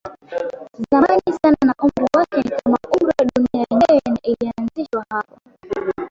zamani sana na Umri wake ni kama umri wa dunia yenyewe na ilianzishwa hapo